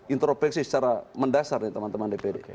intropeksi secara mendasar nih teman teman dpd